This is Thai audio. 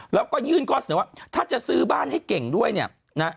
แล้วก็ยื่นข้อเสนอว่าถ้าจะซื้อบ้านให้เก่งด้วยเนี่ยนะ